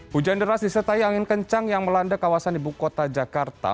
hujan deras disertai angin kencang yang melanda kawasan ibu kota jakarta